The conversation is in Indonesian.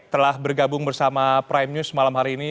telah bergabung bersama prime news malam hari ini